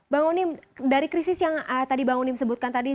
bang onim dari krisis yang tadi bang onim sebutkan tadi